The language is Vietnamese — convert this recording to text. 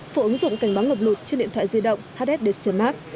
phụ ứng dụng cảnh báo ngập lụt trên điện thoại di động hdd cmap